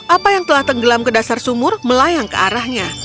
apa yang telah tenggelam ke dasar sumur melayang ke arahnya